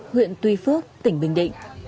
huyện tuy phước tỉnh bình định